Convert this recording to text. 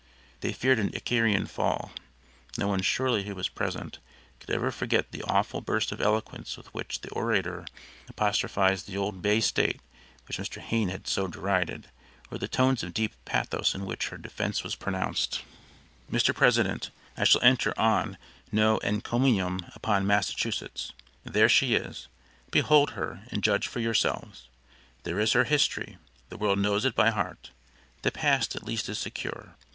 They feared an Icarian fall. No one surely who was present, could ever forget the awful burst of eloquence with which the orator apostrophized the old Bay State which Mr. Hayne had so derided, or the tones of deep pathos in which her defense was pronounced: "Mr. President: I shall enter on no encomium upon Massachusetts. There she is behold her and judge for yourselves. There is her history, the world knows it by heart. The past at least is secure.